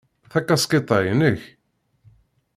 Takaskiṭ-a inek?